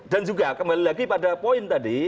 juga kembali lagi pada poin tadi